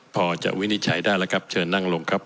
พอจะวินิจฉัยได้แล้วครับเชิญนั่งลงครับ